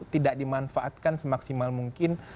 tidak dimanfaatkan semaksimal mungkin